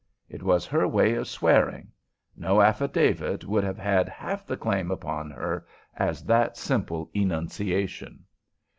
It was her way of swearing. No affidavit would have had half the claim upon her as that simple enunciation.